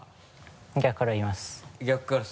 逆から言えます。